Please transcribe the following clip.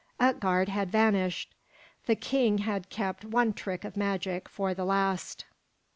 Utgard had vanished. The king had kept one trick of magic for the last.